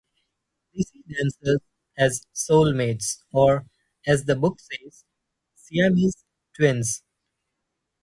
They see themselves as soulmates, or, as the book says, "Siamese twins".